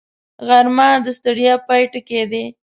غرمه د ستړیا پای ټکی دی